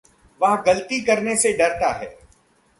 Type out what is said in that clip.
वह ग़लती करने से डरता है।